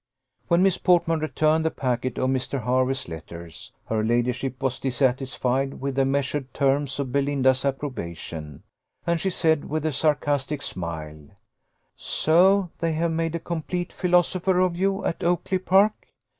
When Miss Portman returned the packet of Mr. Hervey's letters, her ladyship was dissatisfied with the measured terms of Belinda's approbation, and she said, with a sarcastic smile, "So, they have made a complete philosopher of you at Oakly park!